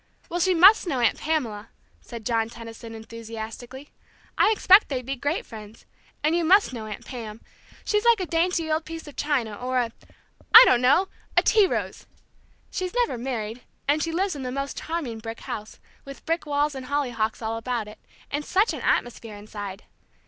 "Well, she must know Aunt Pamela," said John Tenison, enthusiastically. "I expect they'd be great friends. And you must know Aunt Pam. She's like a dainty old piece of china, or a I don't know, a tea rose! She's never married, and she lives in the most charming brick house, with brick walls and hollyhocks all about it, and such an atmosphere inside!